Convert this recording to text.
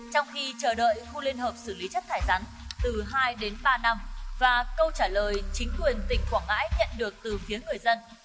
trong khi chờ đợi khu liên hợp xử lý chất thải rắn từ hai đến ba năm và câu trả lời chính quyền tỉnh quảng ngãi nhận được từ phía người dân